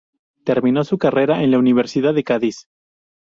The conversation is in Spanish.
Terminó su carrera en la Universidad de Cádiz.